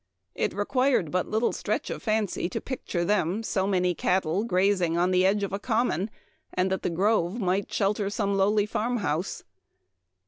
It required but little stretch of fancy to picture them, so many cattle grazing on the edge of a common, and that the grove might shelter some lowly farm house.